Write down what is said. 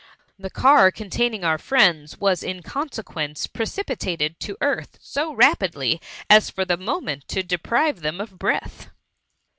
The car containing our friends was in conse quence precipitated to earth so rapidly, as for the moment to deprive them of breath.